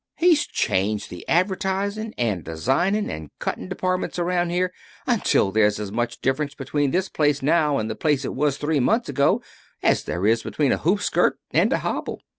He's changed the advertising, and designing, and cutting departments around here until there's as much difference between this place now and the place it was three months ago as there is between a hoop skirt and a hobble.